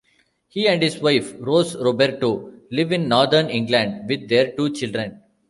He and his wife, Rose Roberto, live in northern England with their two children.